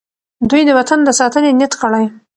دوی د وطن د ساتنې نیت کړی.